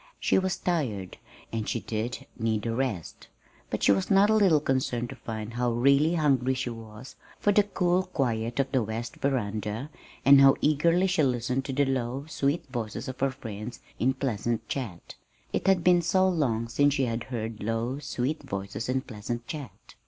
She was tired, and she did need a rest: but she was not a little concerned to find how really hungry she was for the cool quiet of the west veranda, and how eagerly she listened to the low, sweet voices of her friends in pleasant chat it had been so long since she had heard low sweet voices in pleasant chat!